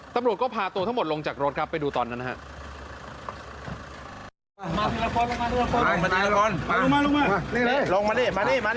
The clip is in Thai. ตำรวจก็พาตัวทั้งหมดลงจากรถครับไปดูตอนนั้นนะครับ